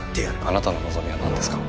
あなたの望みはなんですか？